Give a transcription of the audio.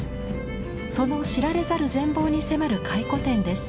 その知られざる全貌に迫る回顧展です。